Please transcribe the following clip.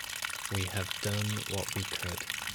We have done what we could.